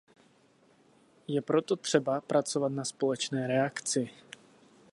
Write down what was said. Je proto třeba pracovat na společné reakci.